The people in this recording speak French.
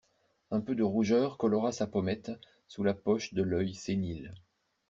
Un peu de rougeur colora sa pommette sous la poche de l'œil sénile.